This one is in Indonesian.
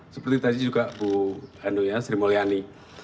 seperti tadi juga bu hanu ya sri mulyani